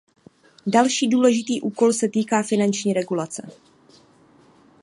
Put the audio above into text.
Další důležitý úkol se týká finanční regulace.